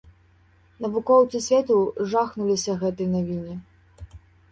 Навукоўцы свету жахнуліся гэтай навіне.